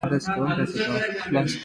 منګلی يې لېوه سره جګ که.